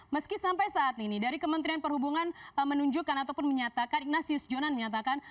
meski sampai saat ini dari kementerian perhubungan menunjukkan ataupun menyatakan ignatius jonan menyatakan